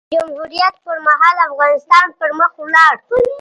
د جمهوریت پر مهال؛ افغانستان پر مخ ولاړ.